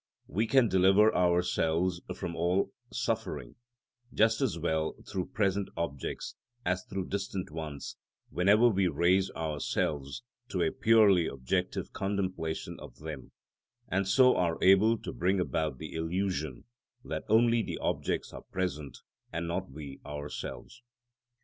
We can deliver ourselves from all suffering just as well through present objects as through distant ones whenever we raise ourselves to a purely objective contemplation of them, and so are able to bring about the illusion that only the objects are present and not we ourselves.